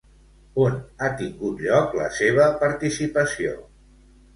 On ha tingut lloc la seva participació?